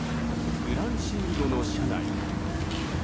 グランシールドの社内。